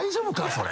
それ。